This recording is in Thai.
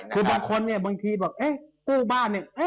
คือบางคนเนี่ยบางทีบอกเอ๊ะกู้บ้านเนี่ย